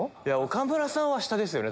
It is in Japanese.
岡村さんは下ですよね